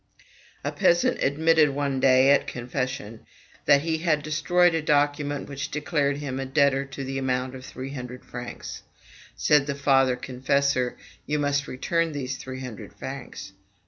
A peasant admitted one day, at confession, that he had destroyed a document which declared him a debtor to the amount of three hundred francs. Said the father confessor, "You must return these three hundred francs."